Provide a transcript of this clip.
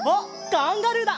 カンガルーだ！